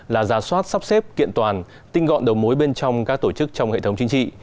là giả soát sắp xếp kiện toàn tinh gọn đầu mối bên trong các tổ chức trong hệ thống chính trị